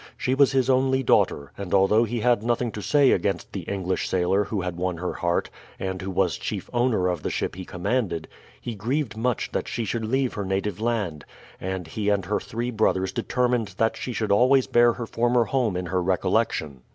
She was his only daughter, and although he had nothing to say against the English sailor who had won her heart, and who was chief owner of the ship he commanded, he grieved much that she should leave her native land; and he and her three brothers determined that she should always bear her former home in her recollection.